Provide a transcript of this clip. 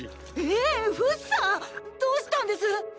えー⁉フシさん⁉どうしたんです